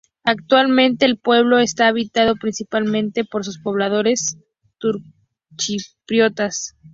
Actualmente el pueblo está habitado principalmente por sus pobladores turcochipriotas.